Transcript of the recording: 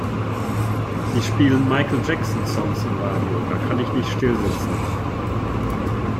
Sie spielen Michael Jackson Songs im Radio, da kann ich nicht stillsitzen.